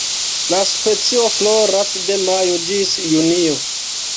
La specio floras de majo ĝis junio.